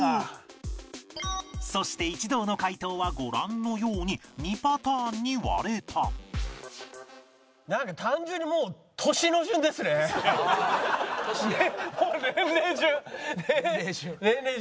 そして一同の解答はご覧のように２パターンに割れたなんか単純にもう年齢順。